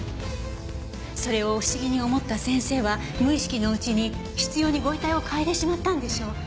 それを不思議に思った先生は無意識のうちに執拗にご遺体を嗅いでしまったんでしょう。